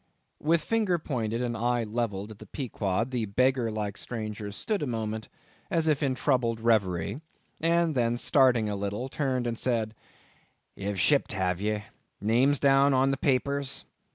With finger pointed and eye levelled at the Pequod, the beggar like stranger stood a moment, as if in a troubled reverie; then starting a little, turned and said:—"Ye've shipped, have ye? Names down on the papers?